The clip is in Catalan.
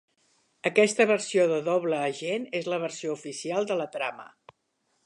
Aquesta versió de Double Agent és la versió oficial de la trama.